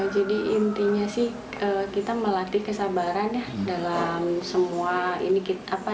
jadi intinya sih kita melatih kesabaran ya